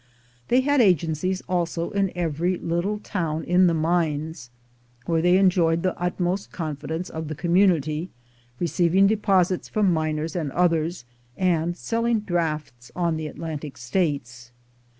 They had agencies also in every little town in the mines, where they enjoyed the utmost confidence of the community, receiving deposits from miners and others, and selling drafts on the Atlantic States.